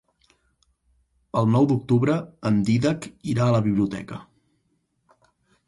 El nou d'octubre en Dídac irà a la biblioteca.